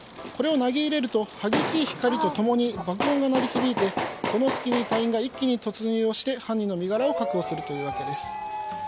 これを投げ入れると激しい光と共に爆音が鳴り響いて、その隙に隊員が一気に突入して犯人の身柄を確保するというものです。